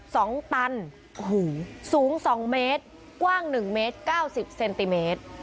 สองตันโอ้โหสูงสองเมตรกว้างหนึ่งเมตรเก้าสิบเซนติเมตร